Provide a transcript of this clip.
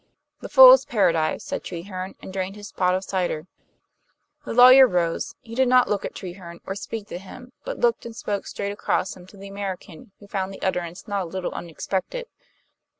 "The fool's paradise," said Treherne, and drained his pot of cider. The lawyer rose. He did not look at Treherne, or speak to him; but looked and spoke straight across him to the American, who found the utterance not a little unexpected.